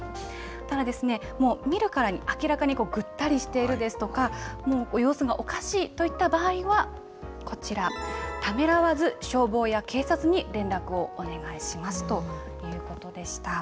ただですね、見るからに、明らかにぐったりしているですとか、もう様子がおかしいといった場合は、こちら、ためらわず消防や警察に連絡をお願いしますということでした。